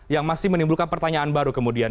yang masih menimbulkan pertanyaan baru kemudian